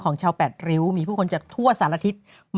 ของชาวแปดริ้วมีผู้คนจากทั่วสารทิศ